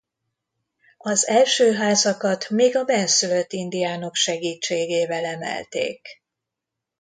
Az első házakat még a bennszülött indiánok segítségével emelték.